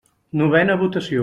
Novena votació.